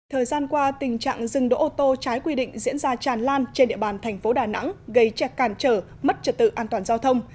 thời gian qua tình trạng dừng đỗ ô tô trái quy định diễn ra tràn lan trên địa bàn thành phố đà nẵng gây chẹt càn trở mất trật tự an toàn giao thông